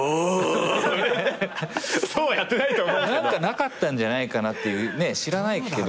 なかったんじゃないかなって知らないけど。